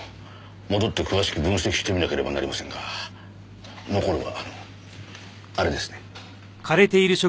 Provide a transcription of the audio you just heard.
戻って詳しく分析してみなければなりませんが残るはあれですね。